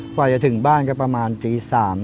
กว่าจะถึงบ้านก็ประมาณตี๓